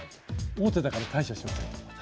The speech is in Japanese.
王手だから解除しますよ。